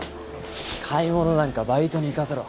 買い物なんかバイトに行かせろ。